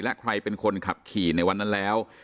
และใครเป็นคนขับขี่ในวันนั้นแล้ว